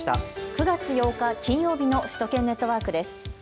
９月８日、金曜日の首都圏ネットワークです。